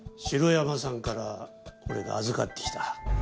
城山さんから俺が預かってきた。